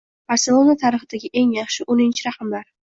“Barselona” tarixidagi eng yaxshi o‘ninchi raqamlar